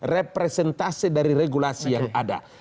representasi dari regulasi yang ada